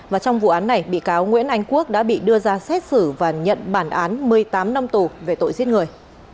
và trong vụ án này bị cáo nguyễn anh quốc đã bị đưa ra xét xử và nhận bản án một mươi tám năm tù về tội giết người